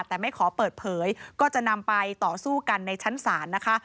แต่ไม่ขอเปิดเผยก็จะนำไปต่อสู้กันในชั้นศาลนะคะ